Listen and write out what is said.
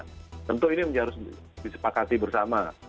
tentu ini harus disepakati bersama